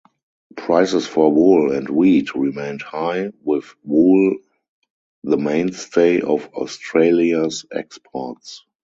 Prices for wool and wheat remained high, with wool the mainstay of Australia's exports.